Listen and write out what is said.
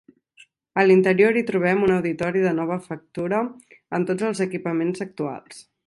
A l'interior hi trobem un auditori de nova factura amb tots els equipaments actuals.